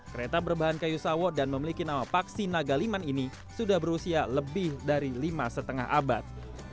kereta berbahan kayu sawo dan memiliki nama paksi nagaliman ini sudah berusia lebih dari lima lima abad